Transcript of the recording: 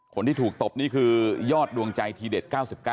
คนที่ถูกตบนี่คือยอดดวงใจทีเด็ด๙๙